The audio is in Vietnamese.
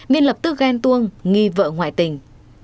viên lập tức ghen tuông nghi vợ ngoại tình